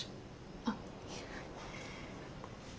あっ。